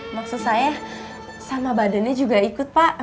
maksud saya sama badannya juga ikut pak